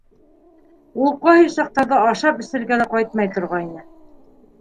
Ул ҡайһы саҡтарҙа ашап-эсергә лә ҡайтмай торғайны.